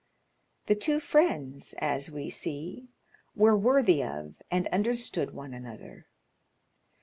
The two friends, as we see, were worthy of and understood one another.